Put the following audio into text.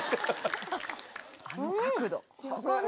あの角度。